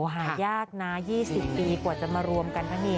หายากนะ๒๐ปีกว่าจะมารวมกันทั้งนี้